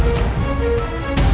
tidak ada yang bisa dihukum